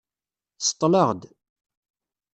Seṭṭleɣ-d.